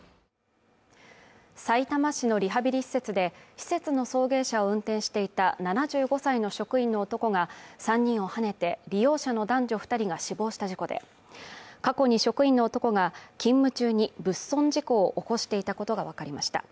さいたま市のリハビリ施設で施設の送迎車を運転していた７５歳の職員の男が３人をはねて利用者の男女二人が死亡した事故で過去に職員の男が勤務中に物損事故を起こしていたことが分かりました